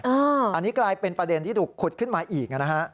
อันนี้กลายเป็นประเด็นที่ถูกขุดขึ้นมาอีกนะฮะ